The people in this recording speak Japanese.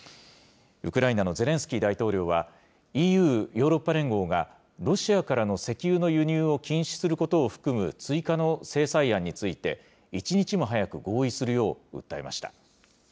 ウクライナのゼレンスキー大統領は、ＥＵ・ヨーロッパ連合がロシアからの石油の輸入を禁止することを含む追加の制裁案について、一日も早く合意するよう訴えました。